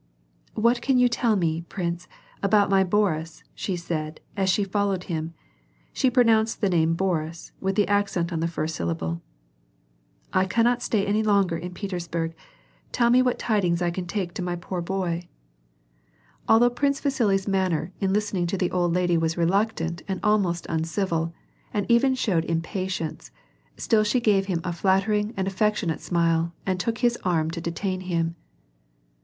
" What can you tell me, prince, about my Boris," she said, as she followed him (she pronounced the name Boris with the accent on the first syllable), " I cannot stay any longer in Petersburg. Tell me what tidings I can take to my poor boy." 16 WAR AND PEACE. Although Prince Yasili's manner in listening to the old lady was reluctant and almost uncivil, and even showed impatience, still she gave him a flattering and affectionate smile and took his arm to detain him.